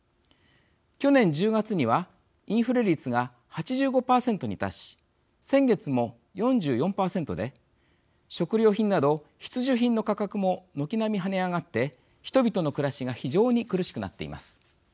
去年１０月にはインフレ率が８５％に達し先月も４４％で食料品など必需品の価格も軒並み跳ね上がって人々の暮らしが非常に苦しくなっています。